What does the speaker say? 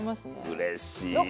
うれしいな。